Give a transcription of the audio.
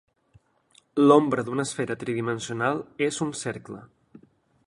L'ombra d'una esfera tridimensional és un cercle.